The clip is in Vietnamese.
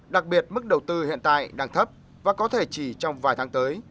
đặc biệt mức đầu tư hiện tại đang thấp và có thể chỉ trong vài tháng tới